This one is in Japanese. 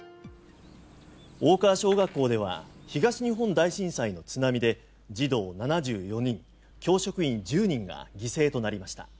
大川小学校では東日本大震災の津波で児童７４人、教職員１０人が犠牲となりました。